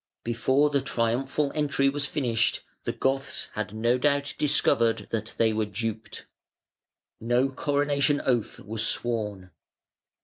Before the triumphal entry was finished the Goths had no doubt discovered that they were duped. No coronation oath was sworn.